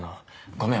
ごめん。